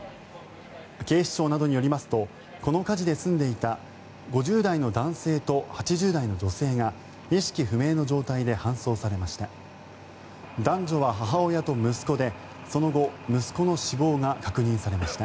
警視庁などによりますとこの火事で住んでいた５０代の男性と８０代の女性が意識不明の状態で搬送されました。